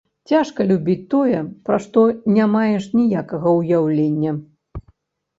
Цяжка любіць тое, пра што не маеш ніякага ўяўлення.